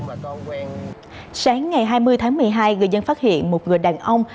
sáng ngày hai mươi tháng một mươi hai người dân phát hiện một người đàn ông